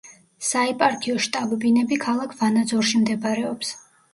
საეპარქიო შტაბბინები ქალაქ ვანაძორში მდებარეობს.